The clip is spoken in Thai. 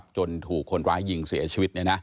ถูกคนร้ายยิงเสียชีวิต